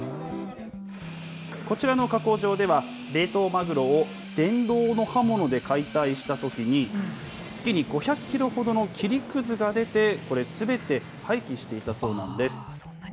こちらの加工場では、冷凍マグロを電動の刃物で解体したときに、月に５００キロほどの切りくずが出て、これ、すべて廃棄していたそうなんです。